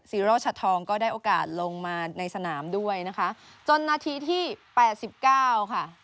โรชัดทองก็ได้โอกาสลงมาในสนามด้วยนะคะจนนาทีที่แปดสิบเก้าค่ะ